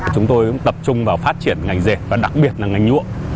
chúng tôi tập trung vào phát triển ngành dệt và đặc biệt là ngành nhuộm